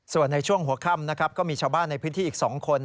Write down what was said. ส่วนในช่วงหัวค่ำนะครับก็มีชาวบ้านในพื้นที่อีก๒คน